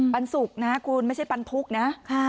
ปันสุกนะคุณไม่ใช่ปันทุกข์นะ